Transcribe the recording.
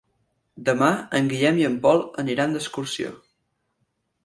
Demà en Guillem i en Pol aniran d'excursió.